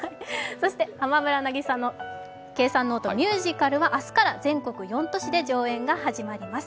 そして「浜村渚の計算ノート」ミュージカルは明日から全国４都市で上演が始まります。